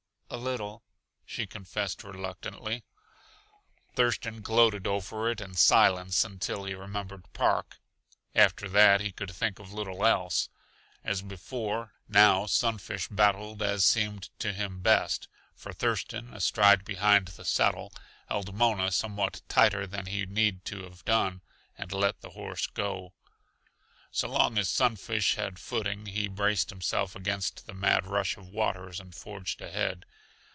"A little," she confessed reluctantly. Thurston gloated over it in silence until he remembered Park. After that he could think of little else. As before, now Sunfish battled as seemed to him best, for Thurston, astride behind the saddle, held Mona somewhat tighter than he need to have done, and let the horse go. So long as Sunfish had footing he braced himself against the mad rush of waters and forged ahead.